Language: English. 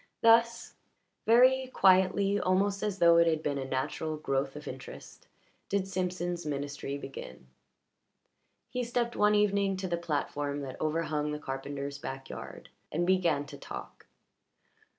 Thus, very quietly, almost as though it had been a natural growth of interest, did Simpson's ministry begin. He stepped one evening to the platform that overhung the carpenter's backyard, and began to talk.